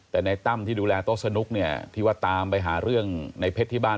แต่ในตั้มที่ดูแลโต๊ะสนุกเนี่ยที่ว่าตามไปหาเรื่องในเพชรที่บ้าน